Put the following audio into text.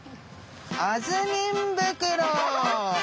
あずみん袋！